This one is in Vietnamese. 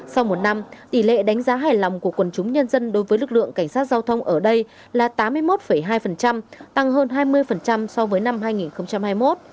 sau một năm tỷ lệ đánh giá hài lòng của quần chúng nhân dân đối với lực lượng cảnh sát giao thông ở đây là tám mươi một hai tăng hơn hai mươi so với năm hai nghìn hai mươi một